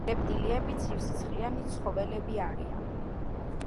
რეპტილიები ცივსისხლიანი ცხოველები არიან.